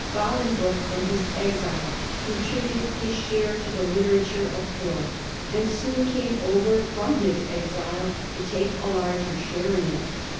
Bolingbroke from his exile contributed his share to the literature of blood, and soon came over from his exile to take a larger share in it.